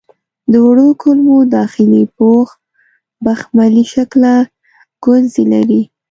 د وړو کولمو داخلي پوښ بخملي شکله ګونځې لري.